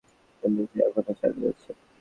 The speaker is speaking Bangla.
কিন্তু সে এখনও চালিয়ে যাচ্ছে।